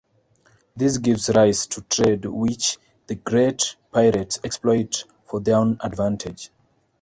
This gives rise to trade which the "Great Pirates" exploit for their own advantage.